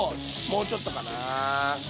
もうちょっとかな。